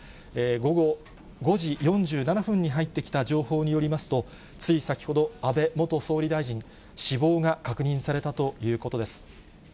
午後５時４７分に入ってきた情報によりますと、つい先ほど、安倍元総理大臣、死亡が確認されたということです。